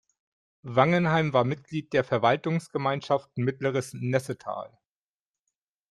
Wangenheim war Mitglied der Verwaltungsgemeinschaft Mittleres Nessetal.